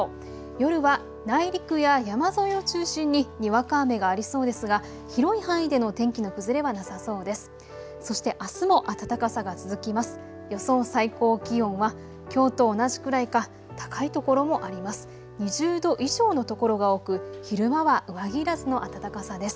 夜は内陸や山沿いを中心ににわか雨がありそうですが広い範囲での天気の崩れはなさそうです。